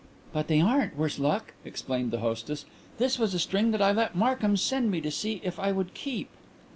"But they aren't worse luck," explained the hostess. "This was a string that I let Markhams send me to see if I would keep."